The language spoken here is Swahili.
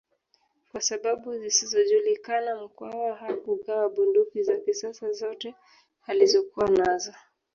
Kwa sababu zisizojulikana Mkwawa hakugawa bunduki za kisasa zote alizokuwa nazo